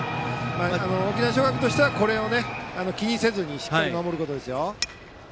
沖縄尚学としてはこれを気にせずしっかり守ることですよ。